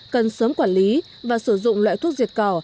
cần sớm quản lý và sử dụng loại thuốc diệt cỏ